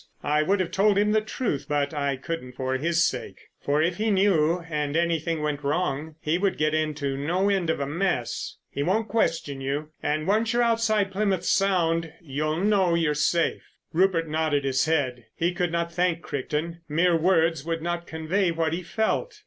I would have told him the truth, but I couldn't, for his sake; for if he knew and anything went wrong he would get into no end of a mess. He won't question you. And once you're outside Plymouth Sound you'll know you're safe." Rupert nodded his head. He could not thank Crichton. Mere words would not convey what he felt.